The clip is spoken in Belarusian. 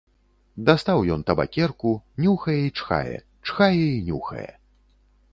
Дастаў ён табакерку, нюхае і чхае, чхае і нюхае.